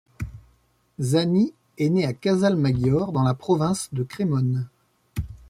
Zani est né à Casalmaggiore dans la province de Crémone.